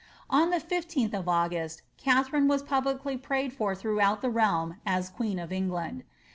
On tlie 15th of August, Katha fine was publicly prayed for throughout the realm as queen of England.